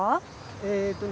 えっとね。